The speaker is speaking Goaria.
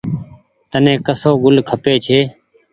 تني ڪسو گل کپي ڇي۔